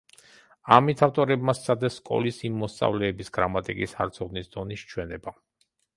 ამით ავტორებმა სცადეს სკოლის იმ მოსწავლეების გრამატიკის არცოდნის დონის ჩვენება.